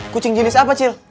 kucing jenis apa cil